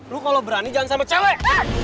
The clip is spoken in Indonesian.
lo kalo berani jangan sama cewek